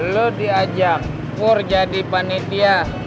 lo diajak gue jadi panitia